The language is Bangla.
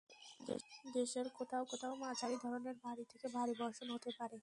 দেশের কোথাও কোথাও মাঝারি ধরনের ভারী থেকে ভারী বর্ষণ হতে পারে।